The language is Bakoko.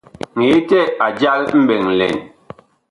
Ŋetɛ a jal mɓɛɛŋ lɛn.